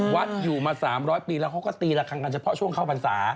วัดอยู่มา๓๐๐ปีแล้วเขาก็ตีละครั้งกันเฉพาะช่วงเข้าพรรษา